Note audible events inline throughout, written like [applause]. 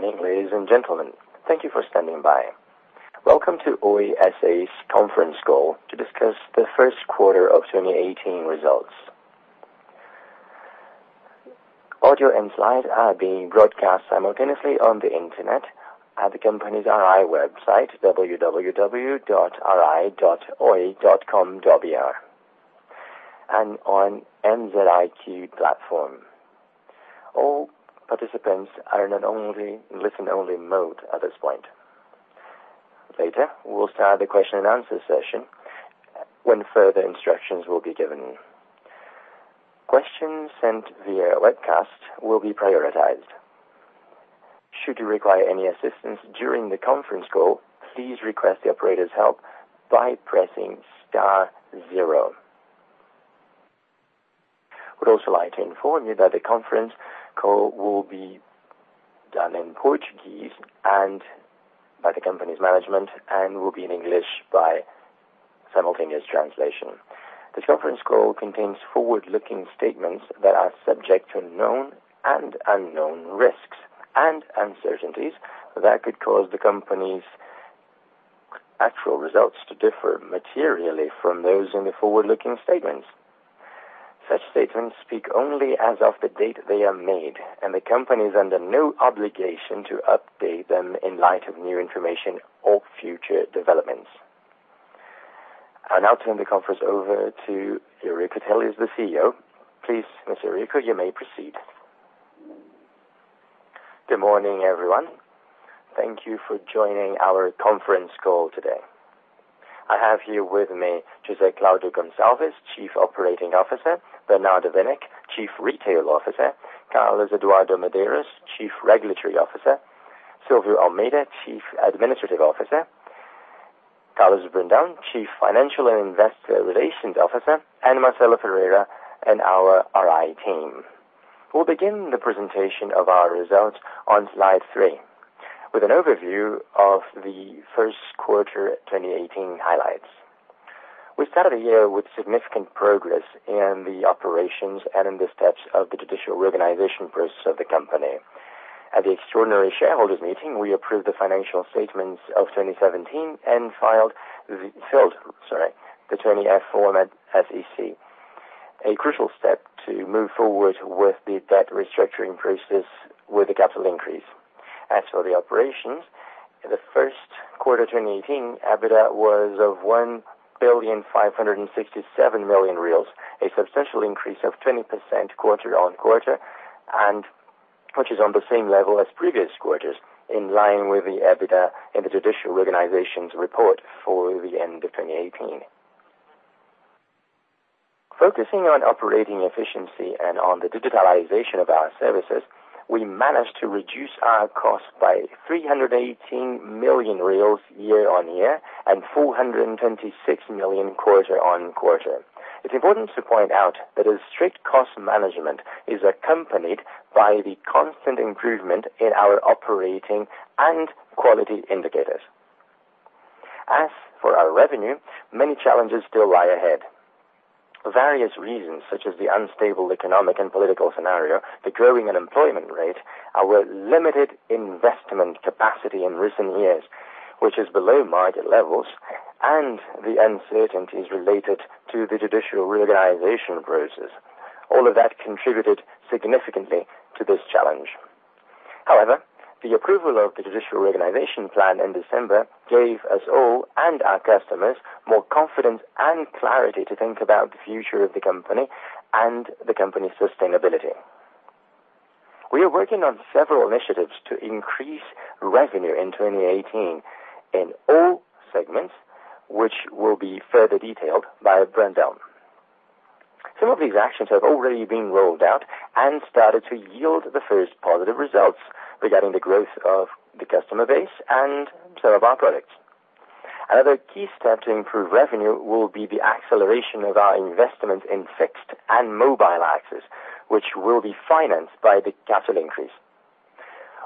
Good morning, ladies and gentlemen. Thank you for standing by. Welcome to Oi S.A.'s conference call to discuss the first quarter of 2018 results. Audio and slides are being broadcast simultaneously on the internet at the company's RI website, www.ri.oi.com.br, and on MZiQ platform. All participants are in a listen-only mode at this point. Later, we will start the question-and-answer session when further instructions will be given. Questions sent via webcast will be prioritized. Should you require any assistance during the conference call, please request the operator's help by pressing star zero. We would also like to inform you that the conference call will be done in Portuguese by the company's management and will be in English by simultaneous translation. This conference call contains forward-looking statements that are subject to known and unknown risks and uncertainties that could cause the company's actual results to differ materially from those in the forward-looking statements. Such statements speak only as of the date they are made, and the company is under no obligation to update them in light of new information or future developments. I will now turn the conference over to Eurico Teles, the CEO. Please, Mr. Eurico, you may proceed. Good morning, everyone. Thank you for joining our conference call today. I have here with me José Claudio Gonçalves, Chief Operating Officer, Bernardo Winik, Chief Retail Officer, Carlos Eduardo Medeiros, Chief Regulatory Officer, Silvio Almeida, Chief Administrative Officer, Carlos Brandão, Chief Financial and Investor Relations Officer, and Marcelo Ferreira and our RI team. We will begin the presentation of our results on slide three with an overview of the first quarter 2018 highlights. We started the year with significant progress in the operations and in the steps of the judicial reorganization process of the company. At the extraordinary shareholders' meeting, we approved the financial statements of 2017 and filed the 20F form at SEC, a crucial step to move forward with the debt restructuring process with a capital increase. As for the operations, the first quarter 2018, EBITDA was 1,567,000,000 reais, a substantial increase of 20% quarter-over-quarter, which is on the same level as previous quarters, in line with the EBITDA in the judicial reorganization's report for the end of 2018. Focusing on operating efficiency and on the digitalization of our services, we managed to reduce our cost by 318 million reais year-over-year and 426 million quarter-over-quarter. It is important to point out that a strict cost management is accompanied by the constant improvement in our operating and quality indicators. As for our revenue, many challenges still lie ahead. Various reasons such as the unstable economic and political scenario, the growing unemployment rate, our limited investment capacity in recent years, which is below market levels, and the uncertainties related to the judicial reorganization process. All of that contributed significantly to this challenge. However, the approval of the judicial reorganization plan in December gave us all and our customers more confidence and clarity to think about the future of the company and the company's sustainability. We are working on several initiatives to increase revenue in 2018 in all segments, which will be further detailed by Brandão. Some of these actions have already been rolled out and started to yield the first positive results regarding the growth of the customer base and some of our products. Another key step to improve revenue will be the acceleration of our investment in fixed and mobile access, which will be financed by the capital increase.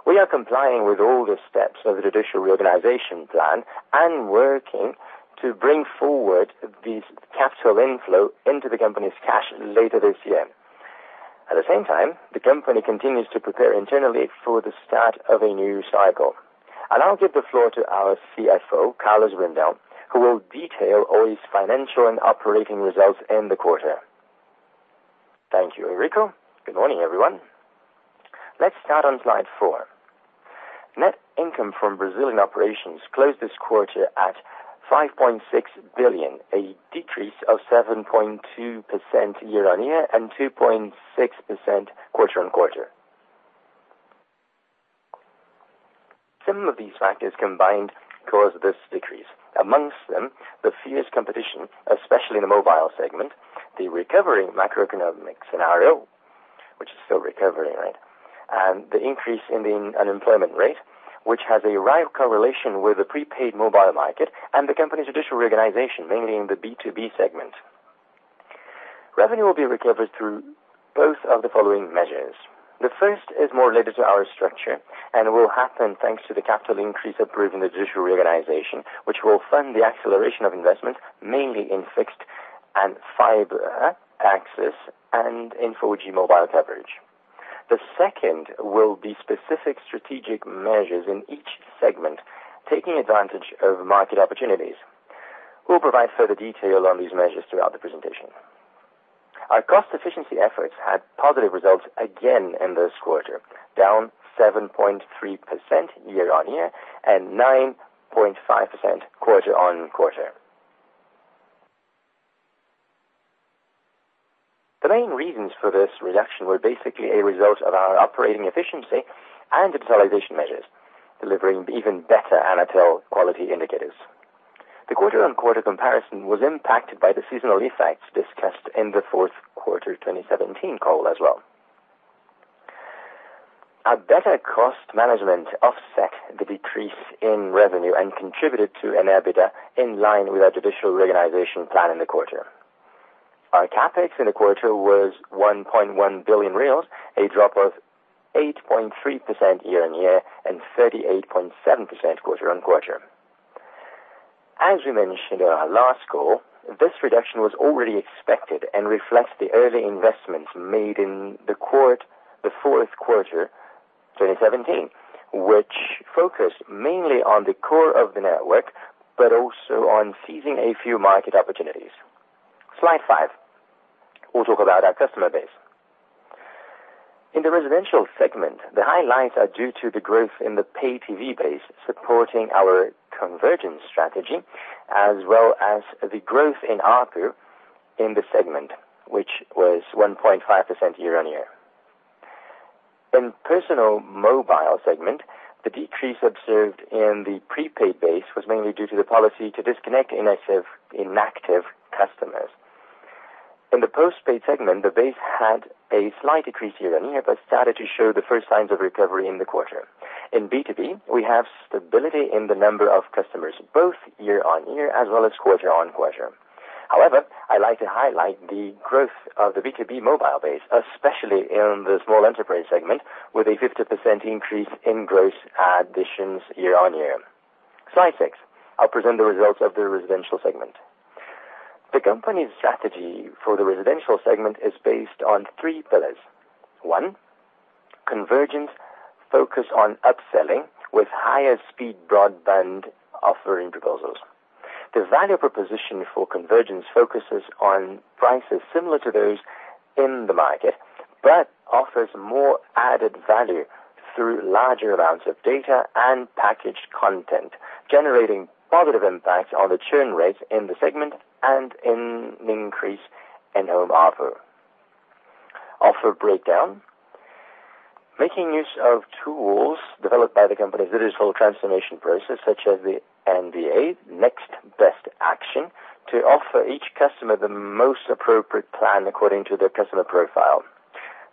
We are complying with all the steps of the judicial reorganization plan and working to bring forward the capital inflow into the company's cash later this year. At the same time, the company continues to prepare internally for the start of a new cycle. I'll now give the floor to our CFO, Carlos Brandão, who will detail Oi's financial and operating results in the quarter. Thank you, Eurico. Good morning, everyone. Let's start on slide four. Net income from Brazilian operations closed this quarter at 5.6 billion, a decrease of 7.2% year-on-year and 2.6% quarter-on-quarter. Some of these factors combined caused this decrease. Among them, the fierce competition, especially in the mobile segment, the recovering macroeconomic scenario, which is still recovering, right? The increase in the unemployment rate, which has a right correlation with the prepaid mobile market and the company's judicial reorganization, mainly in the B2B segment. Revenue will be recovered through both of the following measures. The first is more related to our structure and will happen thanks to the capital increase approved in the judicial reorganization, which will fund the acceleration of investment, mainly in fixed and fiber access and in 4G mobile coverage. The second will be specific strategic measures in each segment, taking advantage of market opportunities. We'll provide further detail on these measures throughout the presentation. Our cost efficiency efforts had positive results again in this quarter, down 7.3% year-on-year and 9.5% quarter-on-quarter. The main reasons for this reduction were basically a result of our operating efficiency and digitalization measures, delivering even better Anatel quality indicators. The quarter-on-quarter comparison was impacted by the seasonal effects discussed in the fourth quarter 2017 call as well. A better cost management offset the decrease in revenue and contributed to an EBITDA in line with our judicial reorganization plan in the quarter. Our CapEx in the quarter was 1.1 billion reais, a drop of 8.3% year-on-year and 38.7% quarter-on-quarter. As we mentioned in our last call, this reduction was already expected and reflects the early investments made in the fourth quarter 2017, which focused mainly on the core of the network, but also on seizing a few market opportunities. Slide five. We'll talk about our customer base. In the residential segment, the highlights are due to the growth in the pay TV base supporting our convergence strategy, as well as the growth in ARPU in the segment, which was 1.5% year-on-year. In personal mobile segment, the decrease observed in the prepaid base was mainly due to the policy to disconnect inactive customers. In the postpaid segment, the base had a slight decrease year-on-year, but started to show the first signs of recovery in the quarter. In B2B, we have stability in the number of customers, both year-on-year as well as quarter-on-quarter. I'd like to highlight the growth of the B2B mobile base, especially in the small enterprise segment, with a 50% increase in gross additions year-on-year. Slide six. I'll present the results of the residential segment. The company's strategy for the residential segment is based on three pillars. One, convergence focused on upselling with higher speed broadband offering proposals. The value proposition for convergence focuses on prices similar to those in the market, but offers more added value through larger amounts of data and packaged content, generating positive impact on the churn rates in the segment and an increase in home ARPU. Offer breakdown. Making use of tools developed by the company's digital transformation process, such as the NBA, next best action, to offer each customer the most appropriate plan according to their customer profile.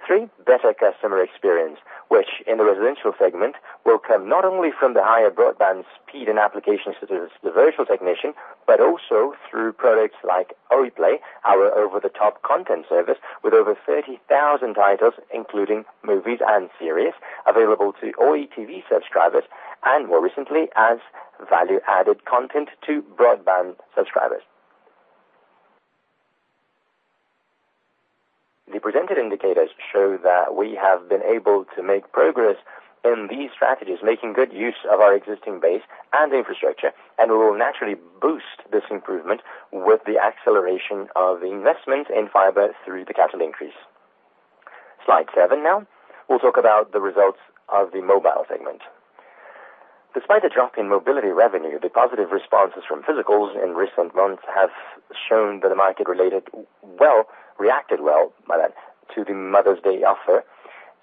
Three, better customer experience, which in the residential segment will come not only from the higher broadband speed and applications such as the Técnico Virtual, but also through products like Oi Play, our over-the-top content service with over 30,000 titles, including movies and series available to Oi TV subscribers, and more recently as value-added content to broadband subscribers. The presented indicators show that we have been able to make progress in these strategies, making good use of our existing base and infrastructure, and we will naturally boost this improvement with the acceleration of investment in fiber through the capital increase. Slide seven now. We'll talk about the results of the mobile segment. Despite a drop in mobility revenue, the positive responses from physicals in recent months have shown that the market reacted well to the Mother's Day offer,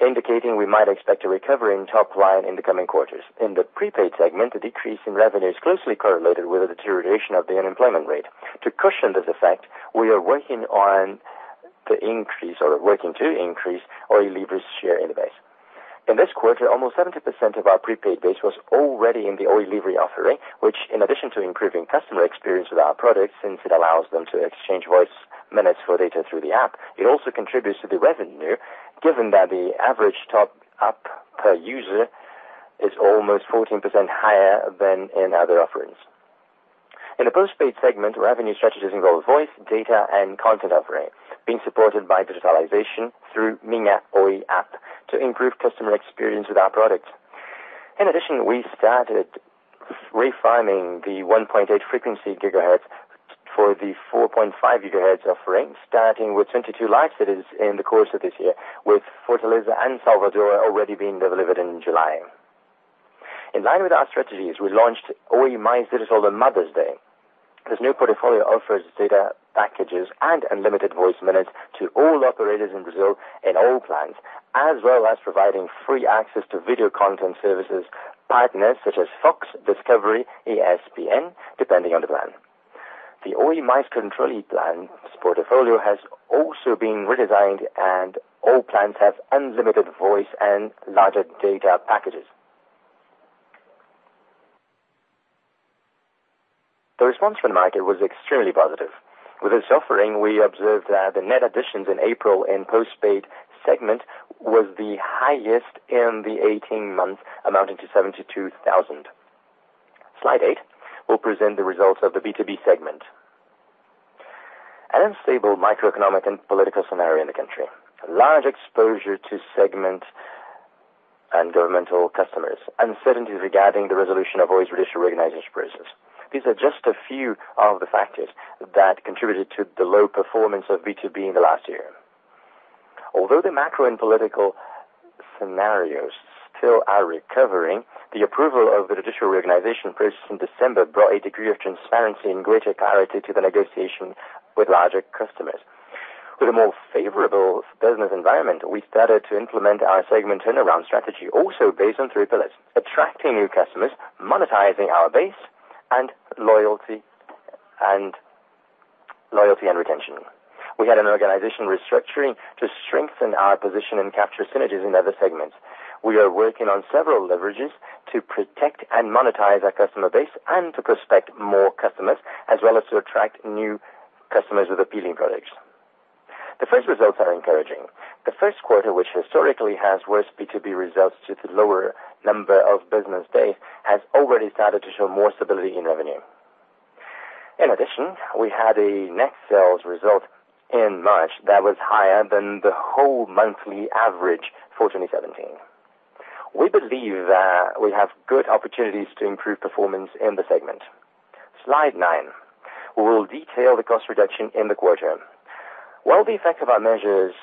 indicating we might expect a recovery in top-line in the coming quarters. In the prepaid segment, the decrease in revenue is closely correlated with the deterioration of the unemployment rate. To cushion this effect, we are working to increase Oi Livre's share in the base. In this quarter, almost 70% of our prepaid base was already in the Oi Livre offering, which in addition to improving customer experience with our products since it allows them to exchange voice minutes for data through the app, it also contributes to the revenue given that the average top-up per user is almost 14% higher than in other offerings. In the postpaid segment, revenue strategies involve voice, data, and content offering being supported by digitalization through Minha Oi app to improve customer experience with our product. In addition, we started refarming the 1.8 GHz frequency for the 4.5 GHz offering, starting with 22 live cities in the course of this year with Fortaleza and Salvador already being delivered in July. In line with our strategies, we launched Oi Mais digital on Mother's Day. This new portfolio offers data packages and unlimited voice minutes to all operators in Brazil in all plans, as well as providing free access to video content services partners such as Fox, Discovery, ESPN, depending on the plan. The Oi Mais Controle plans portfolio has also been redesigned, and all plans have unlimited voice and larger data packages. The response from the market was extremely positive. With this offering, we observed that the net additions in April in postpaid segment was the highest in the 18 months, amounting to 72,000. Slide eight will present the results of the B2B segment. An unstable microeconomic and political scenario in the country, large exposure to segment and governmental customers, uncertainties regarding the resolution of Oi's judicial reorganization process. These are just a few of the factors that contributed to the low performance of B2B in the last year. Although the macro and political scenarios still are recovering, the approval of the judicial reorganization process in December brought a degree of transparency and greater clarity to the negotiation with larger customers. With a more favorable business environment, we started to implement our segment turnaround strategy, also based on three pillars: attracting new customers, monetizing our base, and loyalty and retention. We had an organization restructuring to strengthen our position and capture synergies in other segments. We are working on several leverages to protect and monetize our customer base and to prospect more customers as well as to attract new customers with appealing products. The first results are encouraging. The first quarter, which historically has worse B2B results due to lower number of business days, has already started to show more stability in revenue. In addition, we had a net sales result in March that was higher than the whole monthly average for 2017. We believe that we have good opportunities to improve performance in the segment. Slide nine. We will detail the cost reduction in the quarter. While the effect of our measures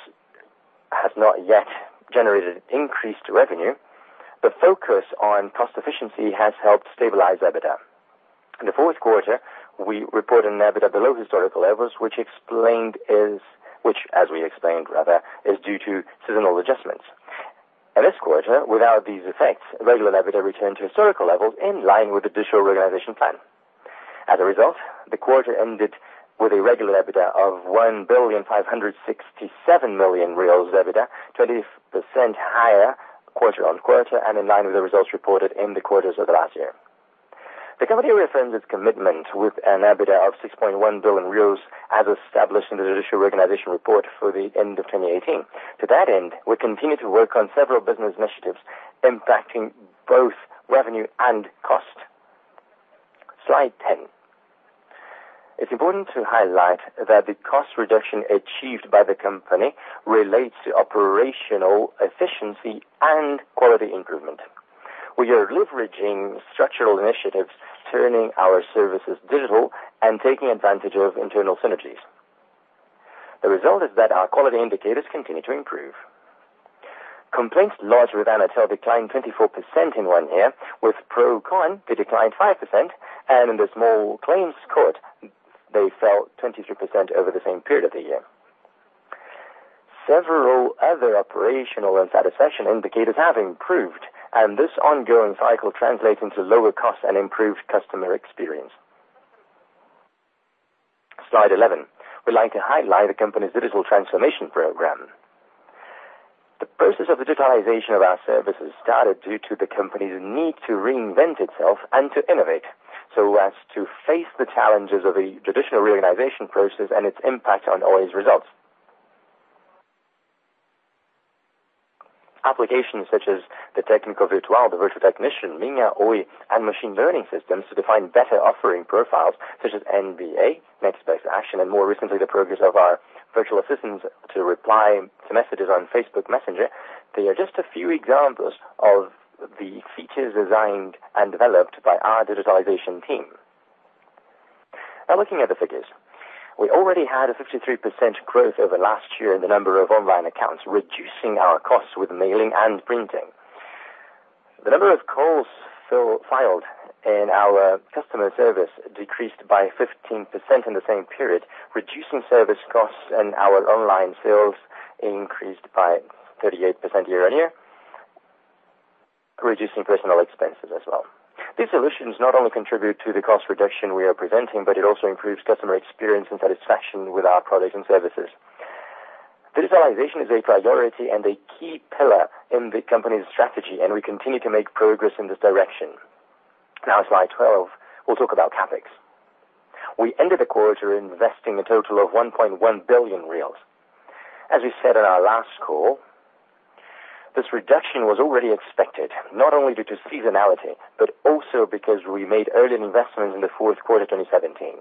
has not yet generated increased revenue, the focus on cost efficiency has helped stabilize EBITDA. In the fourth quarter, we reported an EBITDA below historical levels, which, as we explained, is due to seasonal adjustments. In this quarter, without these effects, regular EBITDA returned to historical levels in line with the judicial reorganization plan. As a result, the quarter ended with a regular EBITDA of 1.567 billion reais. 20% higher quarter-on-quarter and in line with the results reported in the quarters of last year. The company reaffirms its commitment with an EBITDA of BRL 6.1 billion as established in the judicial reorganization report for the end of 2018. To that end, we continue to work on several business initiatives impacting both revenue and cost. Slide 10. It's important to highlight that the cost reduction achieved by the company relates to operational efficiency and quality improvement. We are leveraging structural initiatives, turning our services digital and taking advantage of internal synergies. The result is that our quality indicators continue to improve. Complaints lodged with Anatel declined 24% in one year, with Procon they declined 5%, and in the small claims court, they fell 23% over the same period of the year. Several other operational and satisfaction indicators have improved, and this ongoing cycle translates into lower cost and improved customer experience. Slide 11. We'd like to highlight the company's digital transformation program. The process of digitalization of our services started due to the company's need to reinvent itself and to innovate so as to face the challenges of a judicial reorganization process and its impact on Oi's results. Applications such as the Técnico Virtual, the virtual technician, Minha Oi, and machine learning systems to define better offering profiles such as NBA, Next Best Action, and more recently, the progress of our virtual assistants to reply to messages on Facebook Messenger. They are just a few examples of the features designed and developed by our digitalization team. Looking at the figures. We already had a 63% growth over last year in the number of online accounts, reducing our costs with mailing and printing. The number of calls filed in our customer service decreased by 15% in the same period, reducing service costs and our online sales increased by 38% year-on-year, reducing personal expenses as well. These solutions not only contribute to the cost reduction we are presenting, but it also improves customer experience and satisfaction with our products and services. Digitalization is a priority and a key pillar in the company's strategy, and we continue to make progress in this direction. Slide 12, we'll talk about CapEx. We ended the quarter investing a total of 1.1 billion reais. As we said in our last call, this reduction was already expected, not only due to seasonality, but also because we made early investments in the fourth quarter 2017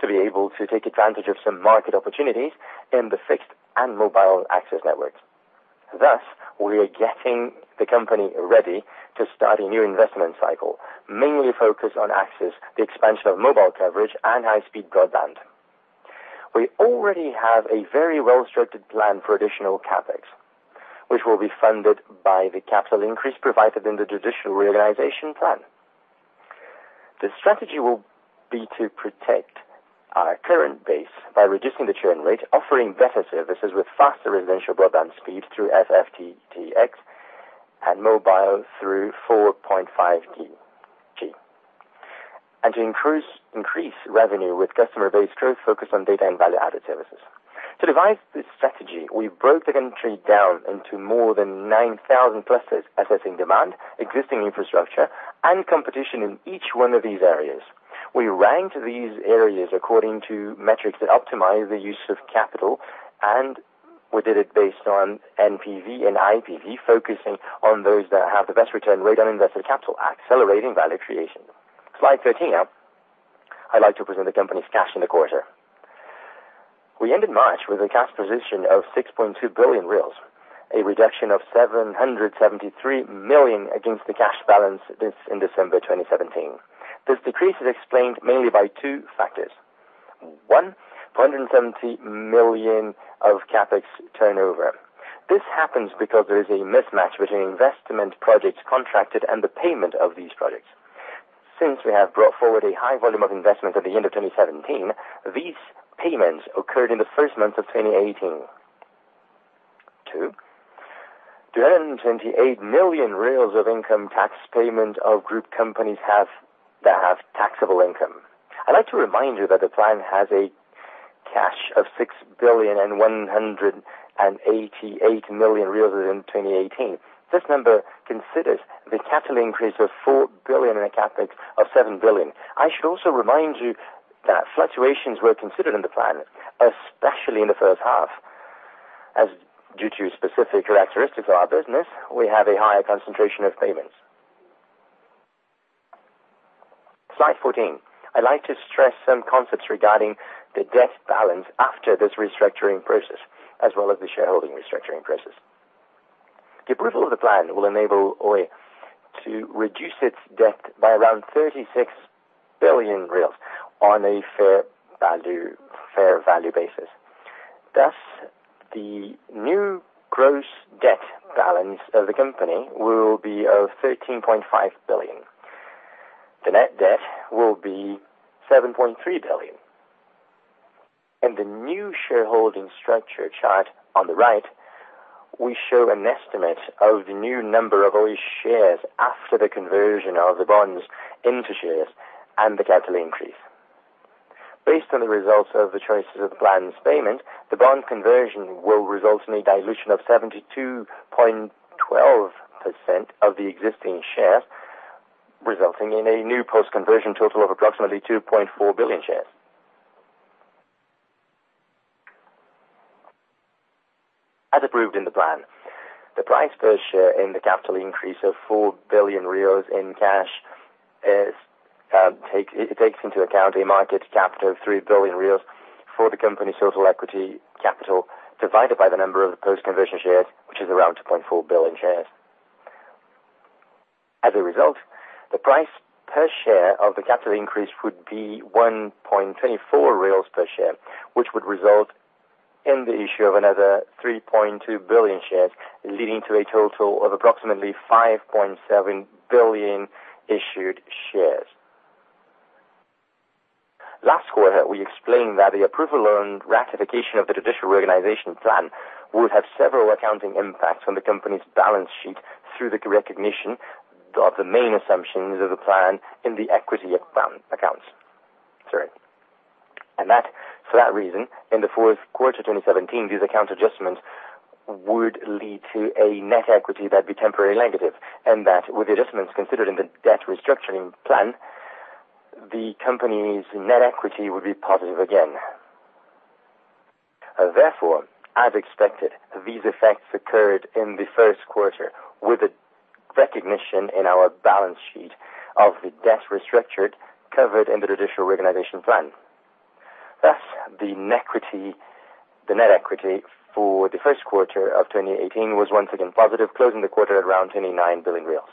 to be able to take advantage of some market opportunities in the fixed and mobile access networks. We are getting the company ready to start a new investment cycle, mainly focused on access, the expansion of mobile coverage and high-speed broadband. We already have a very well-structured plan for additional CapEx, which will be funded by the capital increase provided in the judicial reorganization plan. The strategy will be to protect our current base by reducing the churn rate, offering better services with faster residential broadband speed through FTTx and mobile through 4.5G. To increase revenue with customer base growth focused on data and value-added services. To devise this strategy, we broke the country down into more than 9,000 clusters, assessing demand, existing infrastructure, and competition in each one of these areas. We ranked these areas according to metrics that optimize the use of capital. We did it based on NPV and IPV, focusing on those that have the best return rate on invested capital, accelerating value creation. Slide 13. I'd like to present the company's cash in the quarter. We ended March with a cash position of 6.2 billion reais, a reduction of 773 million against the cash balance in December 2017. This decrease is explained mainly by two factors. One, 470 million of CapEx turnover. This happens because there is a mismatch between investment projects contracted and the payment of these projects. Since we have brought forward a high volume of investment at the end of 2017, these payments occurred in the first months of 2018. Two, 228 million of income tax payment of group companies that have taxable income. I'd like to remind you that the plan has a cash of 6.188 billion in 2018. This number considers the capital increase of 4 billion in a CapEx of 7 billion. I should also remind you that fluctuations were considered in the plan, especially in the first half. Due to specific characteristics of our business, we have a higher concentration of payments. Slide 14. I'd like to stress some concepts regarding the debt balance after this restructuring process, as well as the shareholding restructuring process. The approval of the plan will enable Oi to reduce its debt by around BRL 36 billion on a fair value basis. Thus, the new gross debt balance of the company will be 13.5 billion. The net debt will be 7.3 billion. In the new shareholding structure chart on the right, we show an estimate of the new number of Oi shares after the conversion of the bonds into shares and the capital increase. Based on the results of the choices of the plan's payment, the bond conversion will result in a dilution of 72.12% of the existing shares, resulting in a new post-conversion total of approximately 2.4 billion shares. As approved in the plan, the price per share in the capital increase of 4 billion in cash takes into account a market capital of 3 billion for the company's total equity capital divided by the number of post-conversion shares, which is around 2.4 billion shares. As a result, the price per share of the capital increase would be 1.24 real per share, which would result in the issue of another 3.2 billion shares, leading to a total of approximately 5.7 billion issued shares. Last quarter, we explained that the approval and ratification of the Judicial Reorganization plan would have several accounting impacts on the company's balance sheet through the recognition of the main assumptions of the plan in the equity accounts. Sorry. For that reason, in the fourth quarter 2017, these account adjustments would lead to a net equity that'd be temporarily negative, and that with the adjustments considered in the debt restructuring plan, the company's net equity would be positive again. Therefore, as expected, these effects occurred in the first quarter with a recognition in our balance sheet of the debt restructured, covered in the Judicial Reorganization plan. Thus, the net equity for the first quarter of 2018 was once again positive, closing the quarter at around 29 billion reais.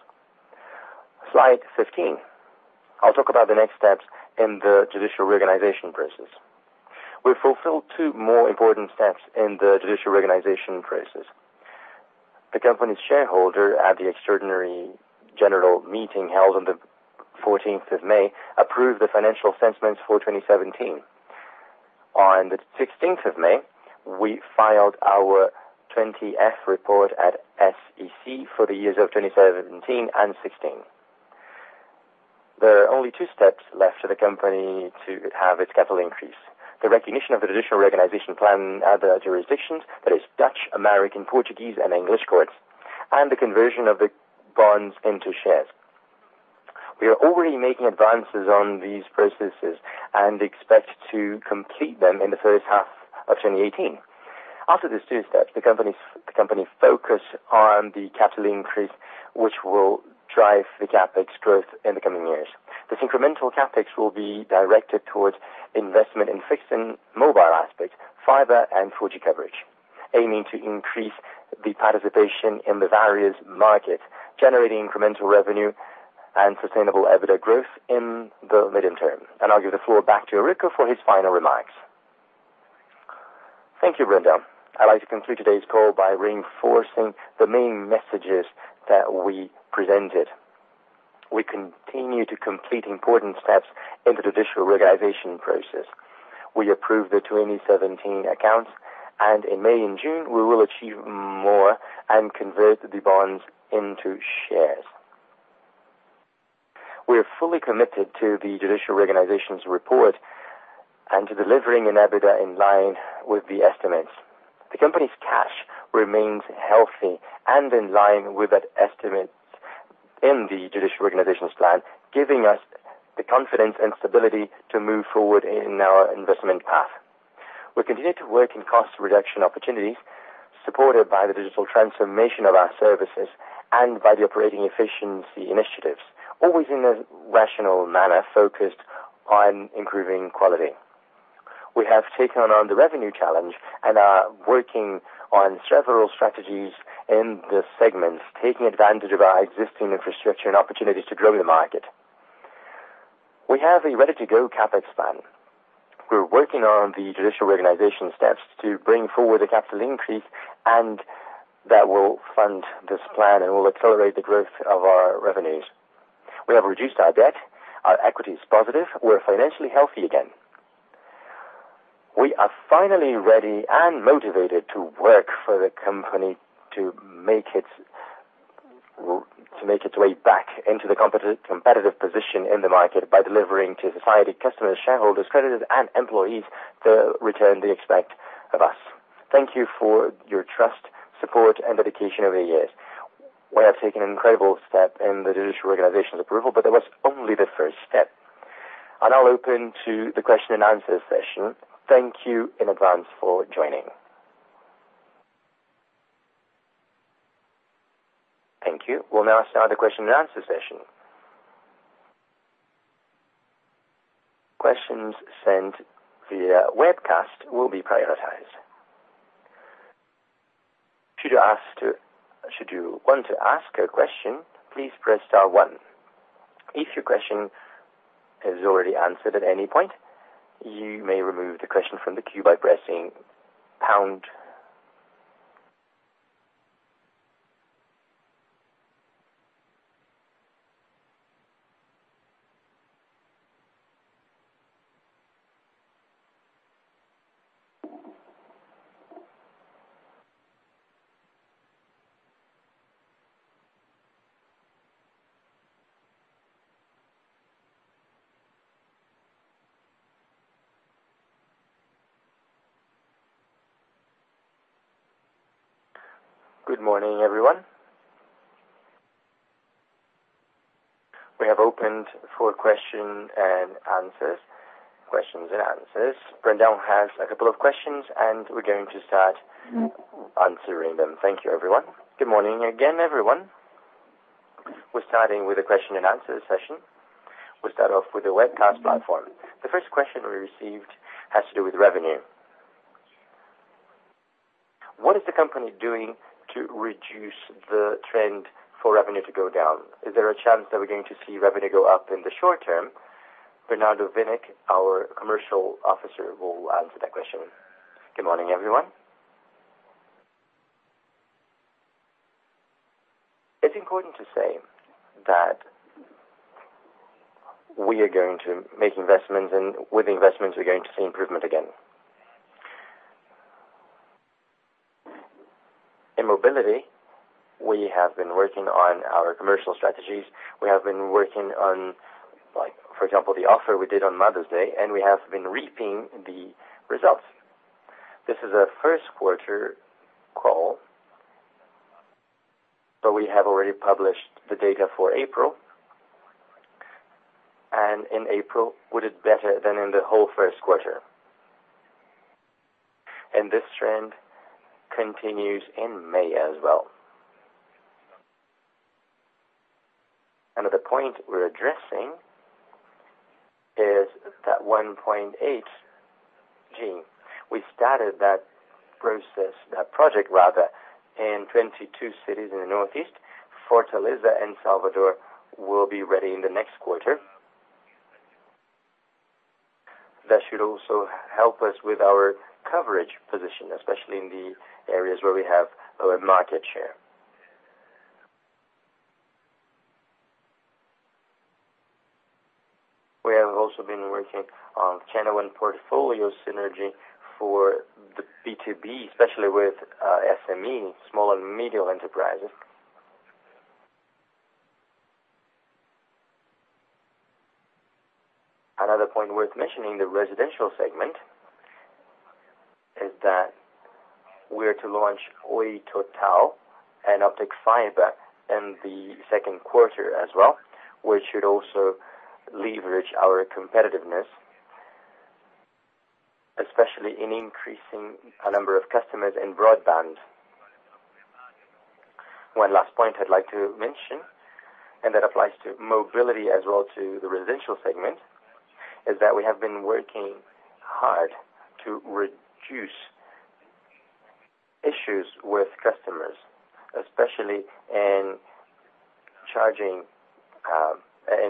Slide 15. I'll talk about the next steps in the Judicial Reorganization process. We've fulfilled two more important steps in the Judicial Reorganization process. The company's shareholder at the extraordinary general meeting held on the 14th of May approved the financial statements for 2017. On the 16th of May, we filed our 20F report at SEC for the years of 2017 and 2016. There are only two steps left for the company to have its capital increase. The recognition of the Judicial Reorganization plan at the jurisdictions, that is Dutch, American, Portuguese, and English courts, and the conversion of the bonds into shares. We are already making advances on these processes and expect to complete them in the first half of 2018. After these two steps, the company focus on the capital increase, which will drive the CapEx growth in the coming years. This incremental CapEx will be directed towards investment in fixed and mobile aspects, fiber and 4G coverage, aiming to increase the participation in the various markets, generating incremental revenue and sustainable EBITDA growth in the medium term. I'll give the floor back to Eurico for his final remarks. Thank you, Carlos Brandão. I'd like to conclude today's call by reinforcing the main messages that we presented. We continue to complete important steps in the Judicial Reorganization process. We approved the 2017 accounts, and in May and June, we will achieve more and convert the bonds into shares. We are fully committed to the Judicial Reorganization's report and to delivering an EBITDA in line with the estimates. The company's cash remains healthy and in line with that estimate in the Judicial Reorganization plan, giving us the confidence and stability to move forward in our investment path. We continue to work in cost reduction opportunities, supported by the digital transformation of our services and by the operating efficiency initiatives, always in a rational manner, focused on improving quality. We have taken on the revenue challenge and are working on several strategies in the segments, taking advantage of our existing infrastructure and opportunities to grow the market. We have a ready-to-go CapEx plan. We're working on the Judicial Reorganization steps to bring forward a capital increase, and that will fund this plan and will accelerate the growth of our revenues. We have reduced our debt. Our equity is positive. We're financially healthy again. We are finally ready and motivated to work for the company to make its way back into the competitive position in the market by delivering to society, customers, shareholders, creditors, and employees the return they expect of us. Thank you for your trust, support, and dedication over the years. We have taken an incredible step in the Judicial Reorganization's approval, but that was only the first step. I'll open to the question and answer session. Thank you in advance for joining. Thank you. We'll now start the question and answer session. Questions sent via webcast will be prioritized. Should you want to ask a question, please press star one. If your question is already answered at any point, you may remove the question from the queue by pressing pound. Good morning, everyone. We have opened for questions and answers. Carlos Brandão has a couple of questions and we're going to start answering them. Thank you, everyone. Good morning again, everyone. We're starting with the question and answer session. We'll start off with the webcast platform. The first question we received has to do with revenue. What is the company doing to reduce the trend for revenue to go down? Is there a chance that we're going to see revenue go up in the short term? Bernardo Winik, our Commercial Officer, will answer that question. Good morning, everyone. It's important to say that we are going to make investments, and with the investments, we're going to see improvement again. In mobility, we have been working on our commercial strategies. We have been working on, for example, the offer we did on Mother's Day, and we have been reaping the results. This is our first quarter call, but we have already published the data for April, and in April we did better than in the whole first quarter. This trend continues in May as well. Another point we're addressing is that 1.8G. We started that process, that project rather, in 22 cities in the Northeast. Fortaleza and Salvador will be ready in the next quarter. That should also help us with our coverage position, especially in the areas where we have lower market share. We have also been working on channel and portfolio synergy for the B2B, especially with SME, small and medium enterprises. Another point worth mentioning in the residential segment is that we are to launch Oi Total and optic fiber in the second quarter as well, which should also leverage our competitiveness, especially in increasing the number of customers in broadband. One last point I'd like to mention, and that applies to mobility as well to the residential segment, is that we have been working hard to reduce issues with customers, especially in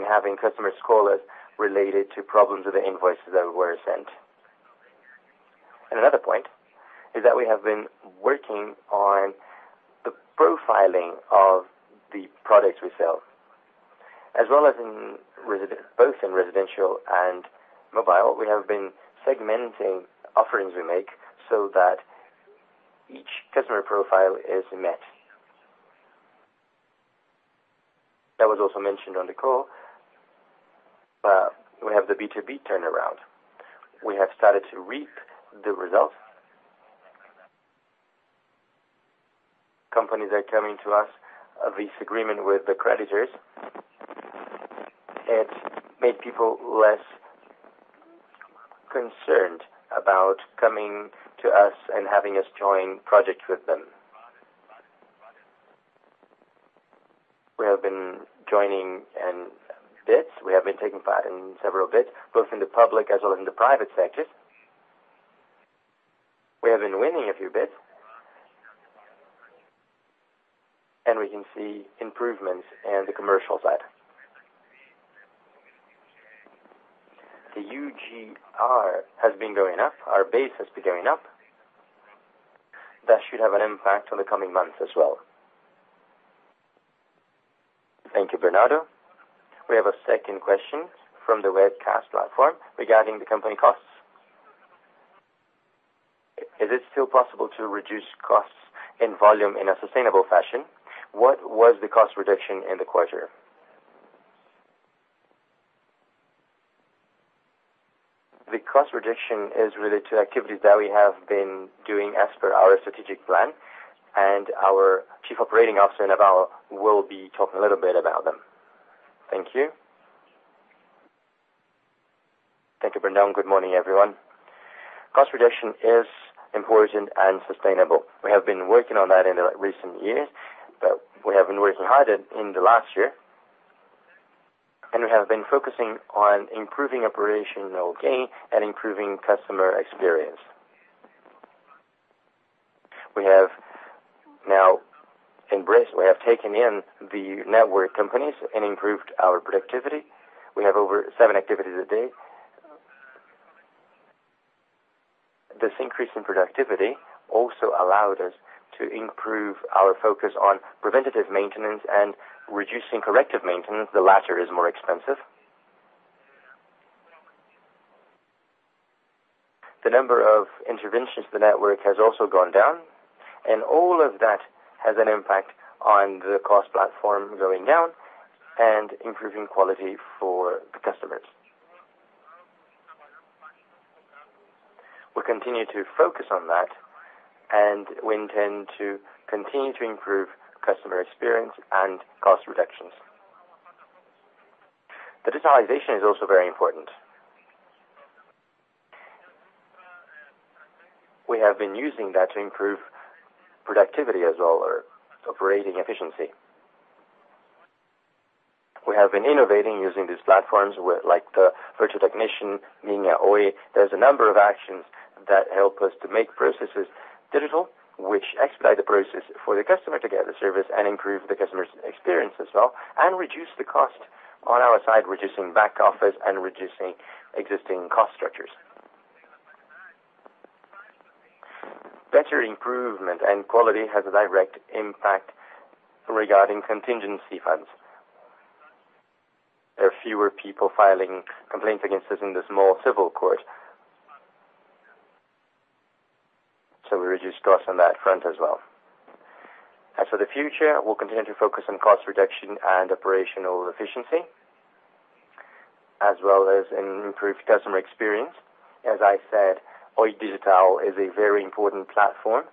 having customers call us related to problems with the invoices that were sent. Another point is that we have been working on the profiling of the products we sell. As well as both in residential and mobile, we have been segmenting offerings we make so that each customer profile is met. That was also mentioned on the call. We have the B2B turnaround. We have started to reap the results Companies are coming to us of this agreement with the creditors. It made people less concerned about coming to us and having us join projects with them. We have been joining in bids. We have been taking part in several bids, both in the public as well as in the private sector. We have been winning a few bids, and we can see improvements in the commercial side. The UGR has been going up. Our base has been going up. That should have an impact on the coming months as well. Thank you, Bernardo. We have a second question from the webcast platform regarding the company costs. Is it still possible to reduce costs and volume in a sustainable fashion? What was the cost reduction in the quarter? The cost reduction is related to activities that we have been doing as per our strategic plan, and our Chief Operating Officer, José Claudio, will be talking a little bit about them. Thank you. Thank you, Bernardo, and good morning, everyone. Cost reduction is important and sustainable. We have been working on that in the recent years, but we have been working harder in the last year, and we have been focusing on improving operational gain and improving customer experience. We have now embraced, we have taken in the network companies and improved our productivity. We have over seven activities a day. This increase in productivity also allowed us to improve our focus on preventative maintenance and reducing corrective maintenance. The latter is more expensive. The number of interventions to the network has also gone down, and all of that has an impact on the cost platform going down and improving quality for the customers. We continue to focus on that, and we intend to continue to improve customer experience and cost reductions. The digitalization is also very important. We have been using that to improve productivity as well, or operating efficiency. We have been innovating using these platforms with the Técnico Virtual, Minha Oi. There is a number of actions that help us to make processes digital, which expedite the process for the customer to get the service and improve the customer's experience as well, and reduce the cost on our side, reducing back office and reducing existing cost structures. Better improvement and quality has a direct impact regarding contingency funds. There are fewer people filing complaints against us in the small civil court. We reduced costs on that front as well. As for the future, we'll continue to focus on cost reduction and operational efficiency, as well as in improved customer experience. As I said, Oi Digital is a very important platform.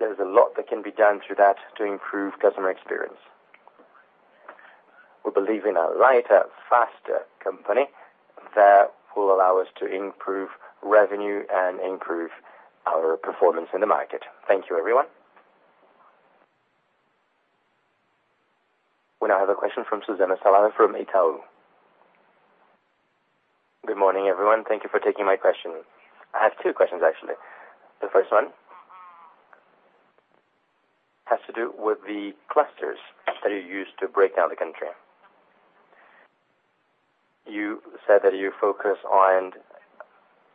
There's a lot that can be done through that to improve customer experience. We believe in a lighter, faster company that will allow us to improve revenue and improve our performance in the market. Thank you, everyone. We now have a question from Susana Salazar from Itaú. Good morning, everyone. Thank you for taking my question. I have two questions, actually. The first one has to do with the clusters that you use to break down the country. You said that you focus on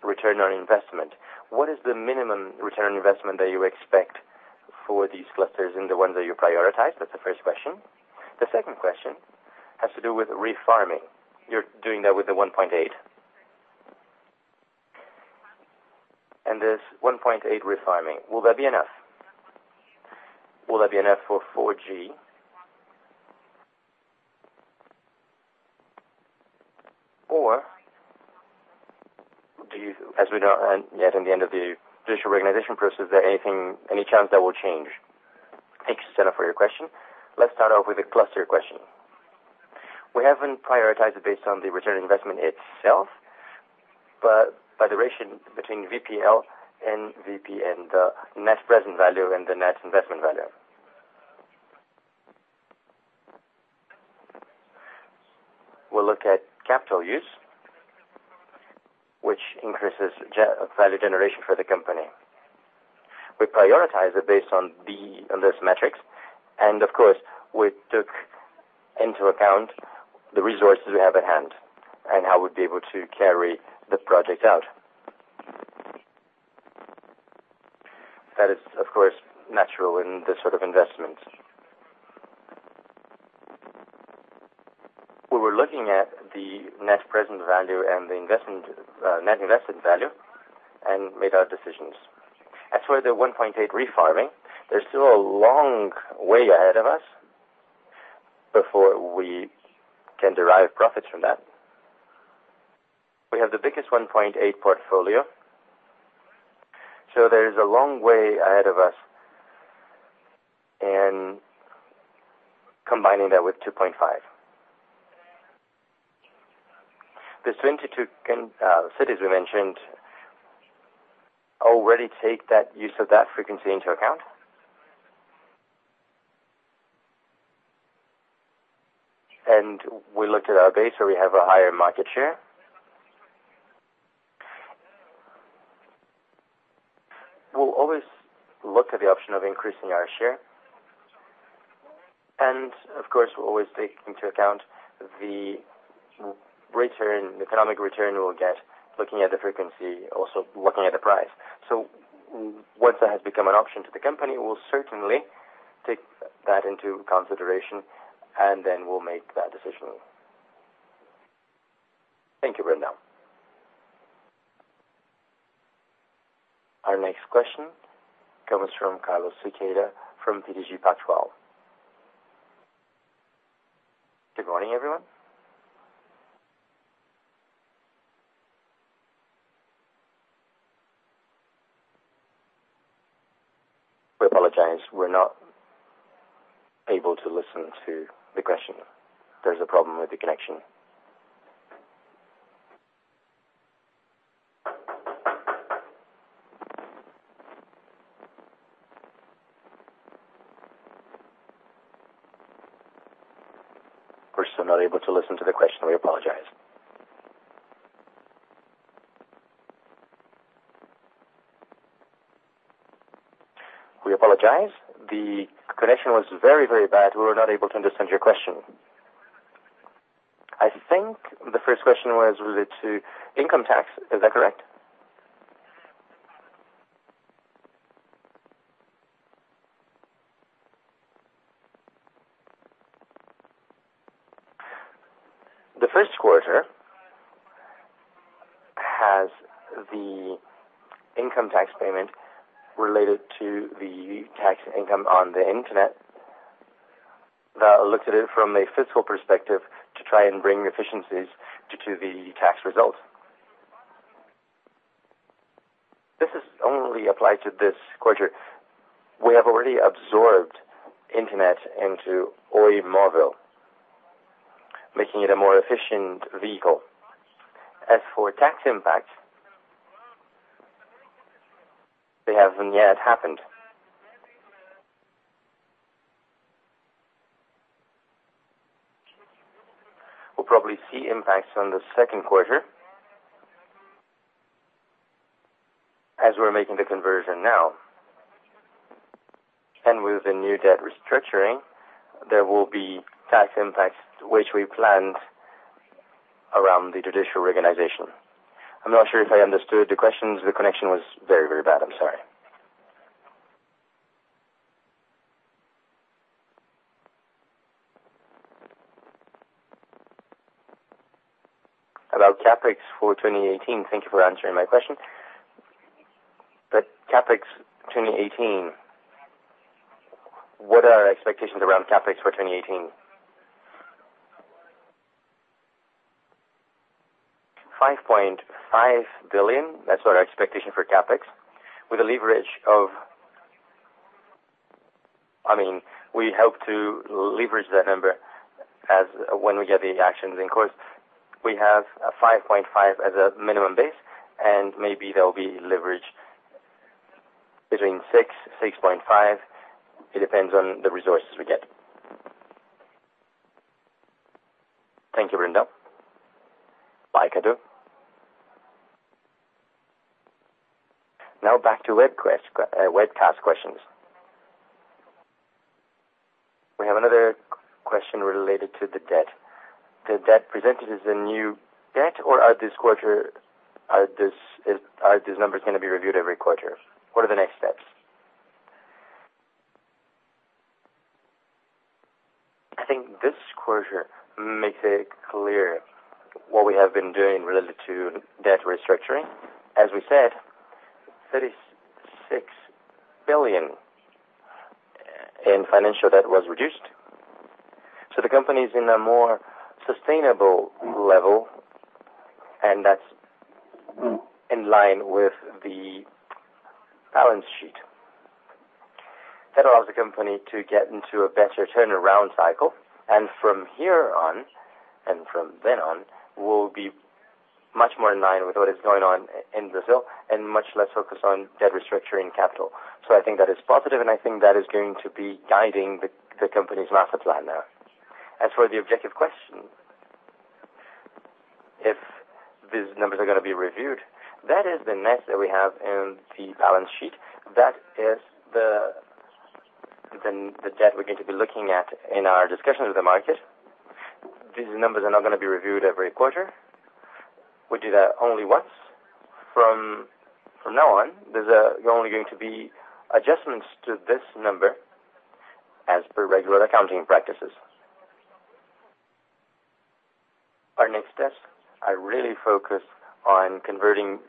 return on investment. What is the minimum return on investment that you expect for these clusters and the ones that you prioritize? That's the first question. The second question has to do with refarming. You're doing that with the 1.8. This 1.8 refarming, will that be enough? Will that be enough for 4G, or as we know, yet in the end of the judicial reorganization process, is there any chance that will change? Thank you, Susana, for your question. Let's start out with the cluster question. We haven't prioritized it based on the return investment itself, but by the ratio between VPL and VP and the net present value and the net investment value. We'll look at capital use, which increases value generation for the company. We prioritize it based on these metrics, and of course, we took into account the resources we have at hand and how we'd be able to carry the project out. That is, of course, natural in this sort of investment. We were looking at the net present value and the net investment value and made our decisions. As for the 1.8 refarming, there's still a long way ahead of us before we can derive profits from that. We have the biggest 1.8 portfolio. There is a long way ahead of us in combining that with 2.5. The 22 cities we mentioned already take that use of that frequency into account. We looked at our base where we have a higher market share. We'll always look at the option of increasing our share. Of course, we'll always take into account the economic return we'll get looking at the frequency, also looking at the price. Once that has become an option to the company, we'll certainly take that into consideration and then we'll make that decision. Thank you, Brandão. Our next question comes from Carlos Sequeira from BTG Pactual. Good morning, everyone. We apologize. We're not able to listen to the question. There's a problem with the connection. We're still not able to listen to the question. We apologize. We apologize. The connection was very, very bad. We were not able to understand your question. I think the first question was related to income tax. Is that correct? The first quarter has the income tax payment related to the tax income on the internet, that looks at it from a fiscal perspective to try and bring efficiencies to the tax result. This is only applied to this quarter. We have already absorbed internet into Oi Móvel, making it a more efficient vehicle. As for tax impact, they haven't yet happened. We'll probably see impacts on the second quarter as we're making the conversion now. With the new debt restructuring, there will be tax impacts which we planned around the judicial reorganization. I am not sure if I understood the questions. The connection was very, very bad. I am sorry. About CapEx for 2018. Thank you for answering my question. But CapEx 2018, what are our expectations around CapEx for 2018? 5.5 billion. That is our expectation for CapEx, with a leverage of, I mean, we hope to leverage that number as when we get the actions. Of course, we have 5.5 billion as a minimum base, maybe there will be leverage between 6 billion, 6.5 billion. It depends on the resources we get. Thank you, Brenda. Bye, Cadu. Now back to webcast questions. We have another question related to the debt. The debt presented is the new debt, or are these numbers going to be reviewed every quarter? What are the next steps? I think this quarter makes it clear what we have been doing related to debt restructuring. As we said, 36 billion in financial debt was reduced. The company is in a more sustainable level, that is in line with the balance sheet. That allows the company to get into a better turnaround cycle. From here on, from then on, we will be much more in line with what is going on in Brazil and much less focused on debt restructuring capital. I think that is positive, I think that is going to be guiding the company's master plan now. As for the objective question, if these numbers are going to be reviewed, that is the net that we have in the balance sheet. That is the debt we are going to be looking at in our discussions with the market. These numbers are not going to be reviewed every quarter. We do that only once. From now on, there is only going to be adjustments to this number as per regular accounting practices. Our next steps are really focused on converting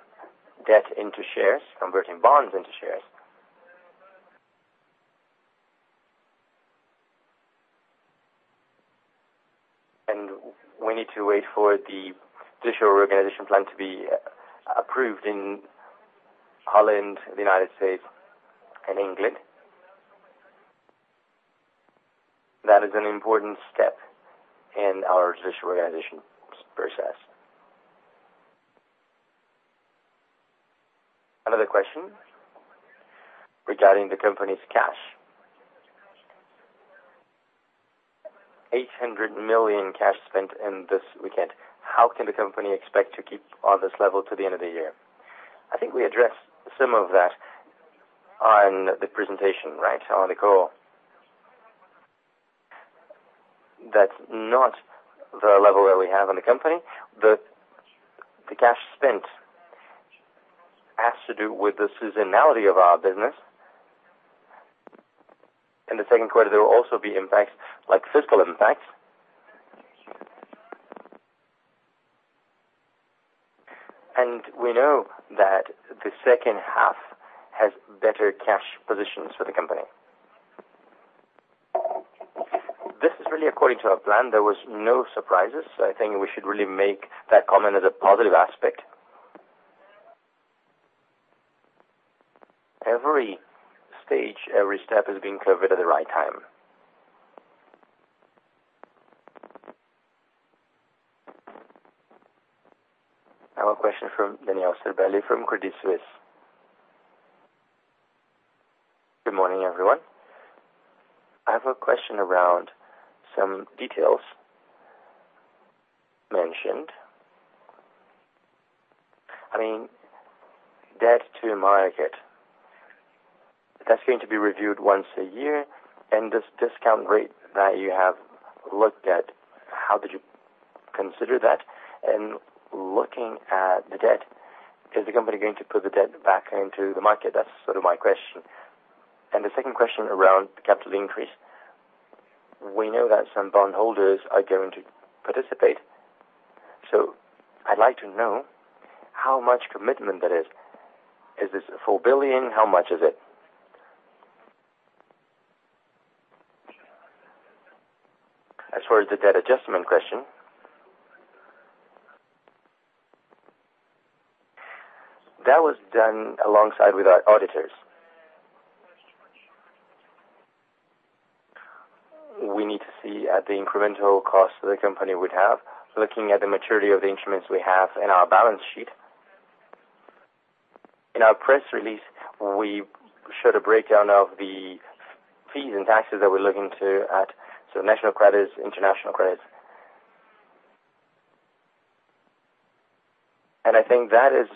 debt into shares, converting bonds into shares. We need to wait for the judicial reorganization plan to be approved in Holland, the U.S., and England. That is an important step in our judicial reorganization process. Another question regarding the company's cash. 800 million cash spent. [inaudible] How can the company expect to keep on this level to the end of the year? I think we addressed some of that on the presentation on the call. That is not the level that we have in the company. The cash spent has to do with the seasonality of our business. In the second quarter, there will also be impacts like fiscal impacts. We know that the second half has better cash positions for the company. This is really according to our plan. There were no surprises. I think we should really make that comment as a positive aspect. Every stage, every step is being covered at the right time. A question from Daniel Federle from Credit Suisse. Good morning, everyone. I have a question around some details mentioned. I mean, debt to market, that is going to be reviewed once a year. This discount rate that you have looked at, how did you consider that? Looking at the debt, is the company going to put the debt back into the market? That is sort of my question. The second question around capital increase. We know that some bondholders are going to participate. I'd like to know how much commitment that is. Is this 4 billion? How much is it? As far as the debt adjustment question, that was done alongside with our auditors. We need to see the incremental cost the company would have, looking at the maturity of the instruments we have in our balance sheet. In our press release, we showed a breakdown of the fees and taxes that we're looking at, so national credits, international credits. I think that is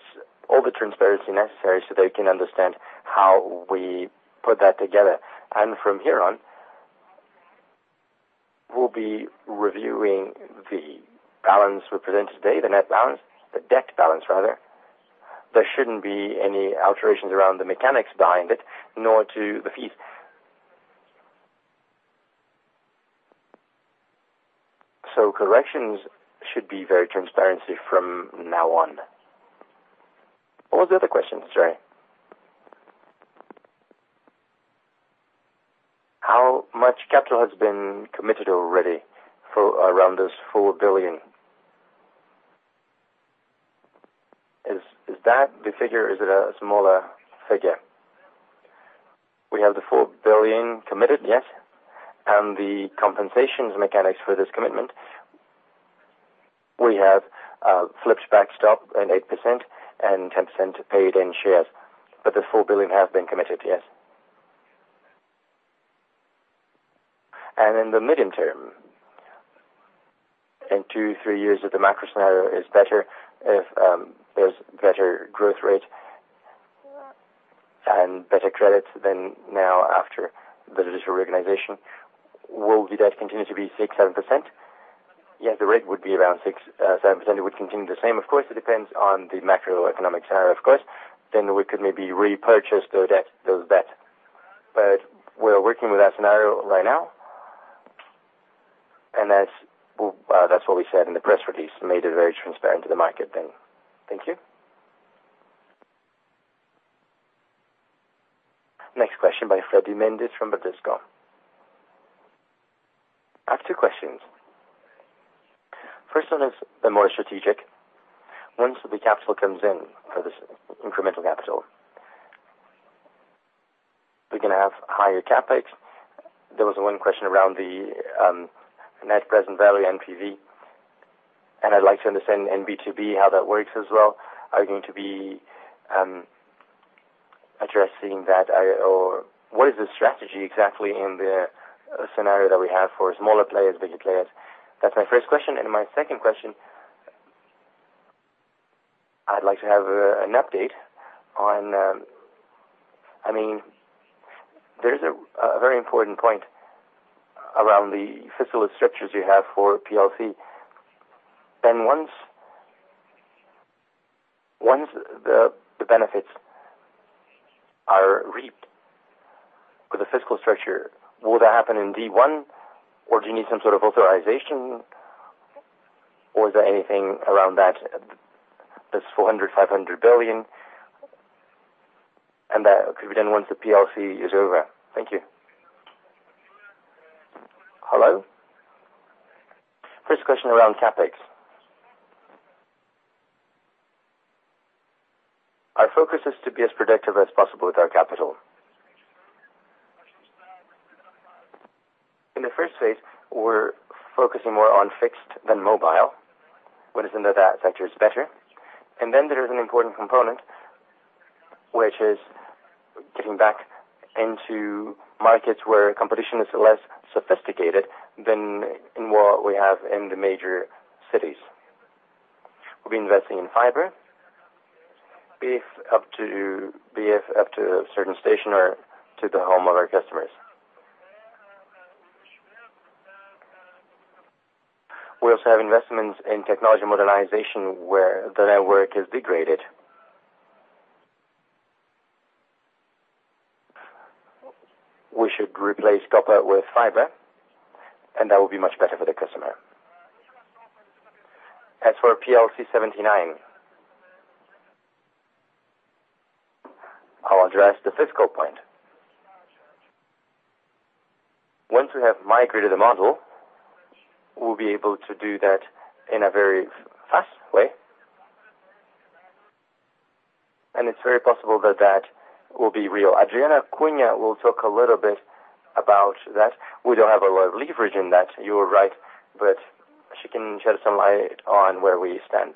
all the transparency necessary so they can understand how we put that together. From here on, we'll be reviewing the balance we presented today, the net balance, the debt balance, rather. There shouldn't be any alterations around the mechanics behind it, nor to the fees. Corrections should be very transparent from now on. What was the other question, sorry? How much capital has been committed already around this 4 billion? Is that the figure? Is it a smaller figure? We have the 4 billion committed, yes. The compensation mechanics for this commitment, we have flipped backstop and 8% and 10% paid in shares. The BRL 4 billion has been committed, yes. In the medium term, in two, three years, if the macro scenario is better, if there's better growth rate and better credits than now after the judicial reorganization, will the debt continue to be 6%-7%? Yeah, the rate would be around 6%-7%. It would continue the same. Of course, it depends on the macroeconomic scenario, of course. We could maybe repurchase the debt. We're working with that scenario right now. That's what we said in the press release. We made it very transparent to the market then. Thank you. Next question by Fred Mendes from Bradesco. I have two questions. First one is the more strategic. Once the capital comes in for this incremental capital, we're going to have higher CapEx. There was one question around the net present value, NPV, and I'd like to understand in B2B how that works as well. Are you going to be addressing that? What is the strategy exactly in the scenario that we have for smaller players, bigger players? That's my first question. My second question, I'd like to have an update on. There's a very important point around the fiscal restrictions you have for PLC. Once the benefits are reaped for the fiscal structure, will that happen in D1, or do you need some sort of authorization, or is there anything around that? That's 400 million-500 million and that could be done once the PLC is over. Thank you. Hello. First question around CapEx. Our focus is to be as productive as possible with our capital. In the first phase, we're focusing more on fixed than mobile. What is under that sector is better. Then there is an important component, which is getting back into markets where competition is less sophisticated than in what we have in the major cities. We'll be investing in fiber, be it up to a certain station or to the home of our customers. We also have investments in technology modernization where the network is degraded. We should replace copper with fiber, and that will be much better for the customer. As for PLC 79, I'll address the fiscal point. Once we have migrated the model, we'll be able to do that in a very fast way, and it's very possible that that will be real. Adriana Cunha will talk a little bit about that. We don't have a lot of leverage in that, you are right, but she can shed some light on where we stand.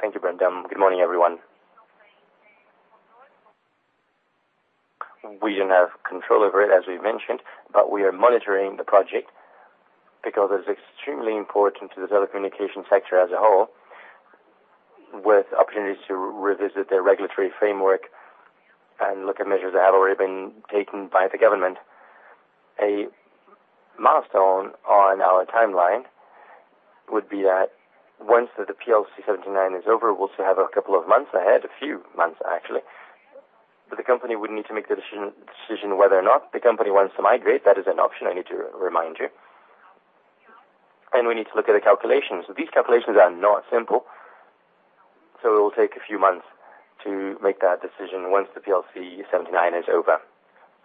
Thank you, Carlos Brandão. Good morning, everyone. We didn't have control over it, as we mentioned, but we are monitoring the project because it's extremely important to the telecommunication sector as a whole, with opportunities to revisit their regulatory framework and look at measures that have already been taken by the government. A milestone on our timeline would be that once the PLC 79 is over, we will still have a couple of months ahead, a few months actually. The company would need to make the decision whether or not the company wants to migrate. That is an option, I need to remind you. We need to look at the calculations. These calculations are not simple, so it will take a few months to make that decision once the PLC 79 is over.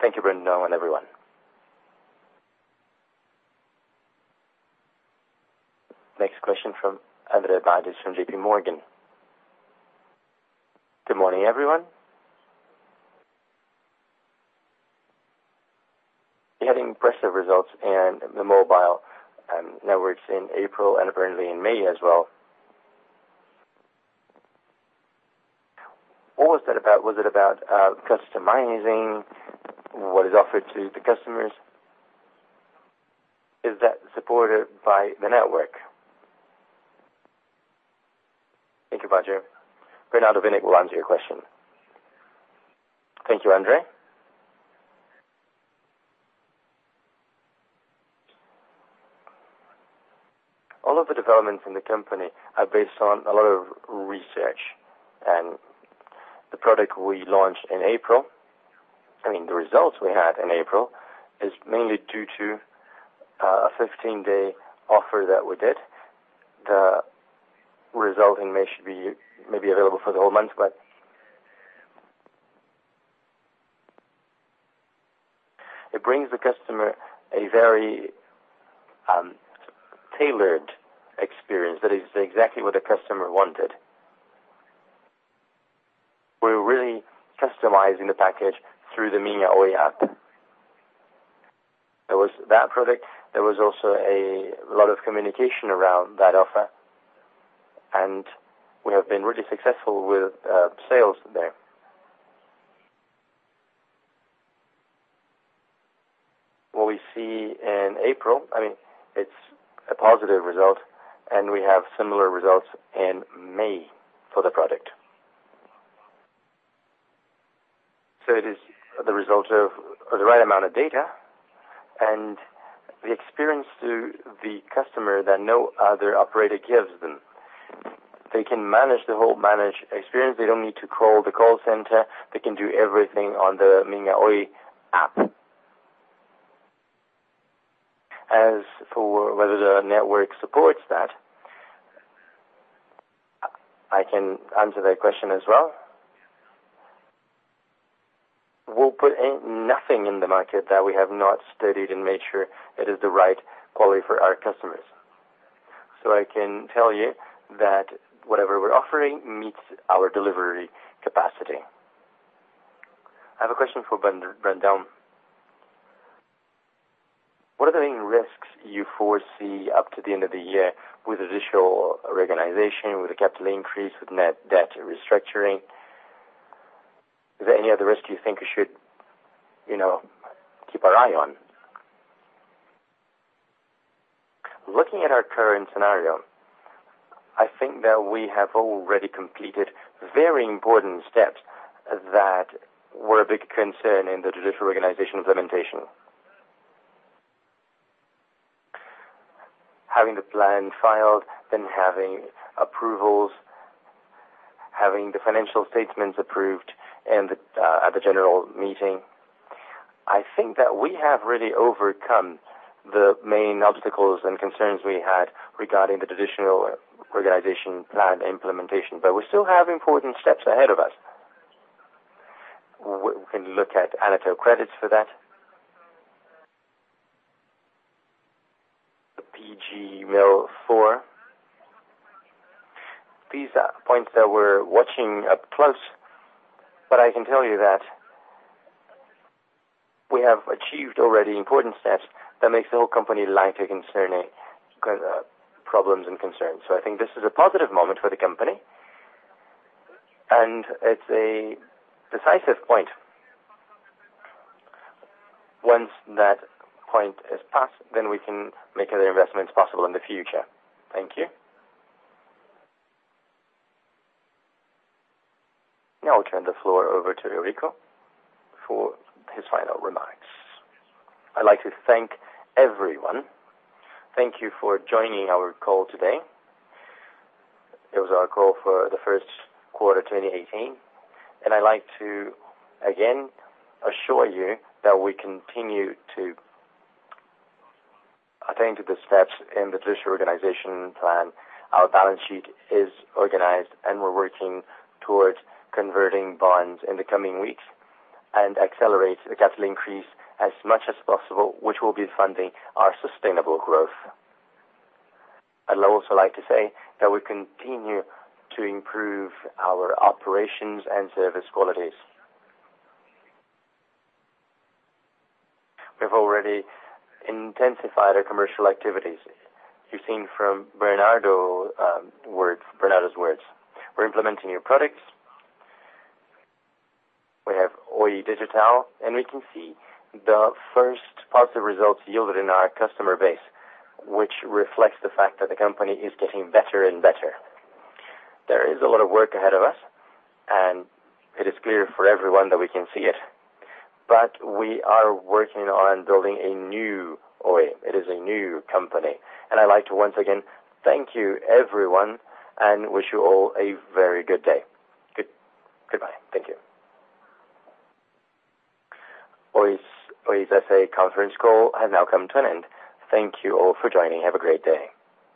Thank you, Carlos Brandão, and everyone. Next question from André Baggio from JP Morgan. Good morning, everyone. You had impressive results in the mobile networks in April and apparently in May as well. What was that about? Was it about customizing what is offered to the customers? Is that supported by the network? Thank you, André. Renato Winnecke will answer your question. Thank you, André. All of the developments in the company are based on a lot of research, and the product we launched in April, I mean, the results we had in April, is mainly due to a 15-day offer that we did. The result in May should be maybe available for the whole month, but it brings the customer a very tailored experience that is exactly what the customer wanted. We are really customizing the package through the Minha Oi app. There was that product. There was also a lot of communication around that offer, and we have been really successful with sales there. What we see in April, I mean, it is a positive result, and we have similar results in May for the product. It is the result of the right amount of data and the experience to the customer that no other operator gives them. They can manage the whole experience. They do not need to call the call center. They can do everything on the Minha Oi app. As for whether the network supports that, I can answer that question as well. We will put nothing in the market that we have not studied and made sure it is the right quality for our customers. I can tell you that whatever we are offering meets our delivery capacity. I have a question for Carlos Brandão. What are the main risks you foresee up to the end of the year with the judicial reorganization, with the capital increase, with net debt restructuring? Is there any other risk you think we should keep our eye on? Looking at our current scenario, I think that we have already completed very important steps that were a big concern in the judicial reorganization implementation. Having the plan filed, then having approvals, having the financial statements approved at the general meeting. I think that we have really overcome the main obstacles and concerns we had regarding the judicial reorganization plan implementation, but we still have important steps ahead of us. We can look at Anatel credits for that. The PGMU IV. These are points that we're watching up close, but I can tell you that we have achieved already important steps that makes the whole company lighter concerning problems and concerns. I think this is a positive moment for the company, and it's a decisive point. Once that point is passed, we can make other investments possible in the future. Thank you. Now I'll turn the floor over to Eurico for his final remarks. I'd like to thank everyone. Thank you for joining our call today. It was our call for the first quarter 2018, and I'd like to, again, assure you that we continue to attain to the steps in the judicial reorganization plan. Our balance sheet is organized, we're working towards converting bonds in the coming weeks and accelerate the capital increase as much as possible, which will be funding our sustainable growth. I'd also like to say that we continue to improve our operations and service qualities. We've already intensified our commercial activities. You've seen from Bernardo's words. We're implementing new products. We have Oi Digital, we can see the first positive results yielded in our customer base, which reflects the fact that the company is getting better and better. There is a lot of work ahead of us, it is clear for everyone that we can see it. We are working on building a new Oi. It is a new company. I'd like to once again thank you, everyone, and wish you all a very good day. Goodbye. Thank you. Oi S.A. conference call has now come to an end. Thank you all for joining. Have a great day.